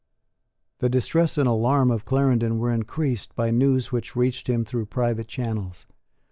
The distress and alarm of Clarendon were increased by news which reached him through private channels.